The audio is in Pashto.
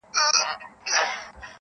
څنګه به دي یاره هېرومه نور ,